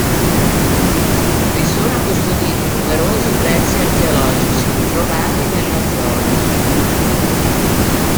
Vi sono custoditi numerosi pezzi archeologici trovati nella zona.